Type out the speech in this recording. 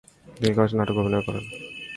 তিনি কয়েকটি নাটকে অভিনয়ও করেন।